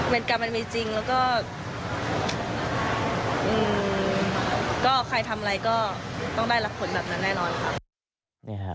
กรรมมันมีจริงแล้วก็ใครทำอะไรก็ต้องได้รับผลแบบนั้นแน่นอนค่ะ